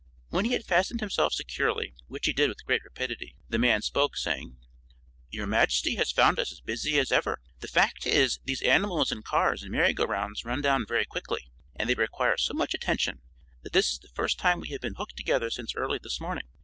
When he had fastened himself securely, which he did with great rapidity, the man spoke, saying, "Your Majesty has found us as busy as ever. The fact is, these animals and cars and merry go rounds run down very quickly, and they require so much attention that this is the first time we have been hooked together since early this morning.